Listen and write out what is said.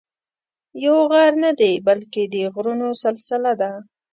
یو غر نه دی بلکې د غرونو سلسله ده.